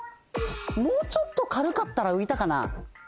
もうちょっとかるかったらういたかな？